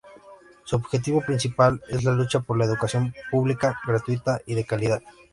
Su objetivo principal es la lucha por una educación pública, gratuita y de calidad.